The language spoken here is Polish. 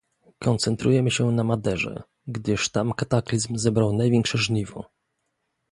Koncentrujemy się na Maderze, gdyż tam kataklizm zebrał największe żniwo